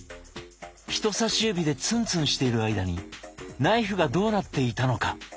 人さし指でツンツンしている間にナイフがどうなっていたのか？